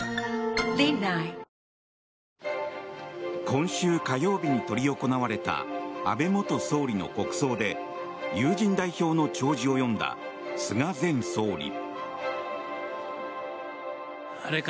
今週火曜日に執り行われた安倍元総理の国葬で友人代表の弔辞を読んだ菅前総理。